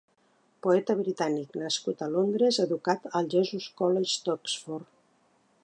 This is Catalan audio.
Poeta britànic, nascut a Londres, educat al Jesus College d'Oxford.